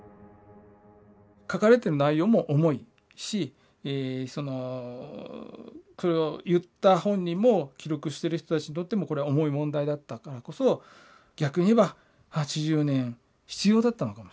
書かれてる内容も重いしこれを言った本人も記録してる人たちにとってもこれは重い問題だったからこそ逆に言えば８０年必要だったのかもしれないですね。